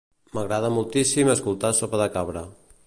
M'agrada moltíssim escoltar Sopa de Cabra.